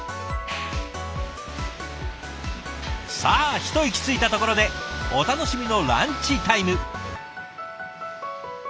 さあ一息ついたところでお楽しみのランチタイム。